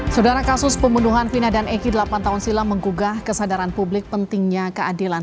saudara kasus pembunuhan vina dan eki delapan tahun silam menggugah kesadaran publik pentingnya keadilan